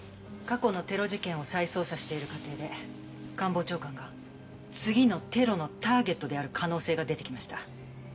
過去のテロ事件を再捜査している過程で官房長官が次のテロのターゲットである可能性が出てきました。